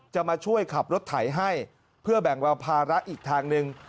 จะมาช่วยขับรถไถให้เพื่อแบ่งเบาภาระอีกทางหนึ่ง